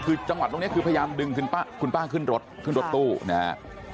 คือจังหวัดตรงนี้คือพยายามดึงคุณป้าขึ้นรถขึ้นรถตู้นะฮะ